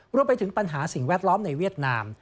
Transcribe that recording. รวมไปถึงปัญหาสิ่งแวดล้อมในเวียดนาม